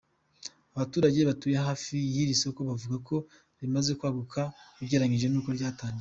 Abaturage batuye hafi y’iri soko bavuga ko rimaze kwaguka ugereranyije n’uko ryatangiye.